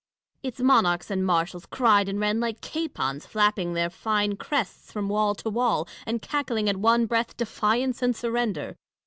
Its monarchs and marshals cried and ran like capons, Happing their fine crests from wall to wall, and cackling at one breath defiance and surrender.